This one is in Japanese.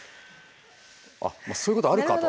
あっそういうことあるかと。